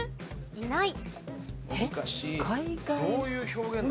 いない。